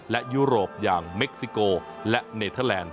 และยุโรปอย่างเม็กซิโกและเนเทอร์แลนด์